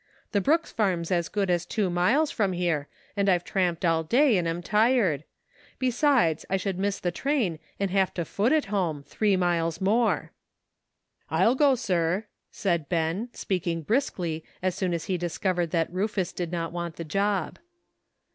" The Brooks farm's as good as two miles from here, and I've tramped all day and am tired; besides, I should miss the train and have to foot it home, three miles more." "I'll go, sir," said Ben, speaking briskly as soon as he discovered that Rufus did not want the job.